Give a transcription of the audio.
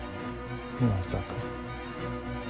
⁉まさか。